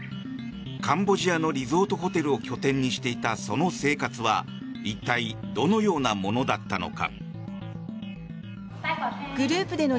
カンボジアのリゾートホテルを拠点にしていたその生活は一体どのようなものだったのか。